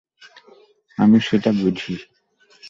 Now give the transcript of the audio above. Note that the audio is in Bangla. আমি সেটা বুঝি।